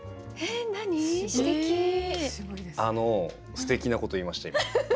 すてきなことを言いました今。